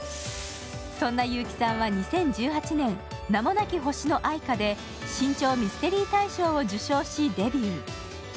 そんな結城さんは、２０１８年、「名もなき星の哀歌」で新潮ミステリー大賞を受賞しデビュー。